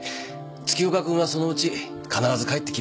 月岡君はそのうち必ず帰ってきますよ